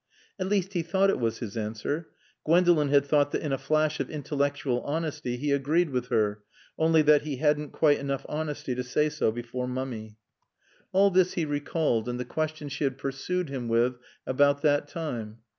At least he thought it was his answer. Gwendolen had thought that in a flash of intellectual honesty he agreed with her, only that he hadn't quite enough honesty to say so before Mummy. All this he recalled, and the question she had pursued him with about that time.